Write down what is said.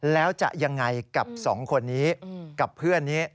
แล้วจะยังไงกับสองคนนี้กับเพื่อนนี้